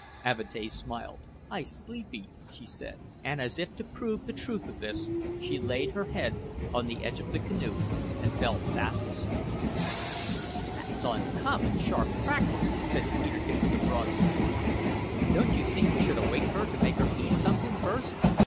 Avatea smiled. "I sleepy," she said; and as if to prove the truth of this, she laid her head on the edge of the canoe and fell fast asleep. "That's uncommon sharp practice," said Peterkin with a broad grin. "Don't you think we should awake her to make her eat something first?